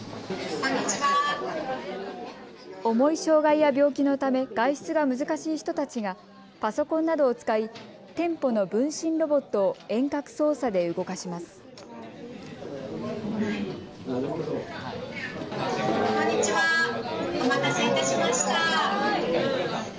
重い障害や病気のため外出が難しい人たちがパソコンなどを使い店舗の分身ロボットを遠隔操作で動かします。